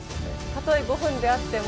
たとえ５分であっても。